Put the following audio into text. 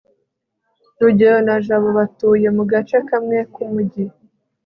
rugeyo na jabo batuye mu gace kamwe k'umujyi